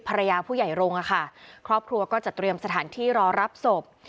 ภรรยาผู้ใหญ่โรงอะค่ะครอบครัวก็จะเตรียมสถานที่รอรับศพ